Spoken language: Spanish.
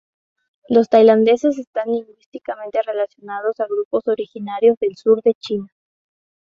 Los tailandeses están lingüísticamente relacionados a grupos originarios del sur de China.